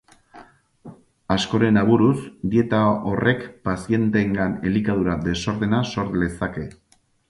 Askoren aburuz, dieta horrek pazienteengan elikadura-desordena sor lezake.